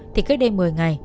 thì cách đây một mươi ngày